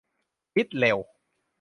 คิดเร็ว